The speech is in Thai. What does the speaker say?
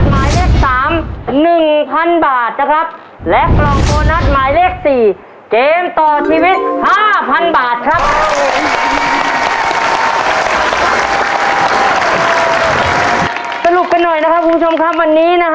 แม่เก๋ค่ะ